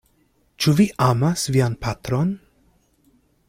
Ĉu vi amas vian patron?